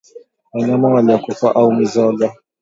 Wanyama waliokufa au mizoga